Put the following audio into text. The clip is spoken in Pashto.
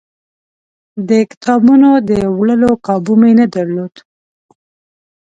د کتابونو د وړلو کابو مې نه درلود.